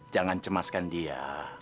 jangan cemaskan dia